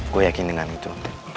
gue yakin dengan itu